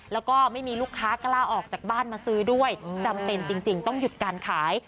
แล้วก็ไม่มีลูกค้ากล้าออกจากบ้านมาซื้อด้วยจำเป็นจริงต้องหยุดการขาย